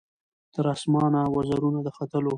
تر اسمانه وزرونه د ختلو